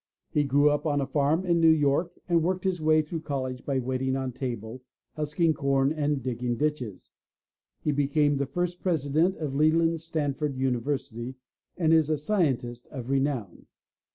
He grew up on a farm in New York and worked his way through college by waiting on table, husking com and digging ditches. He became the first president of Leland Stanford University and is a scientist of renown.